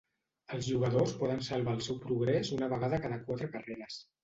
Els jugadors poden salvar el seu progrés una vegada cada quatre carreres.